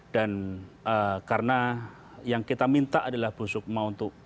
dan karena yang kita minta adalah bu sukma untuk